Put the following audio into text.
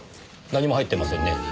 何も入ってませんね。